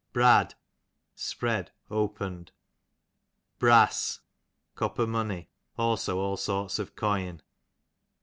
Brad, spread, opened. Brass, copper money, also all sorts of coin.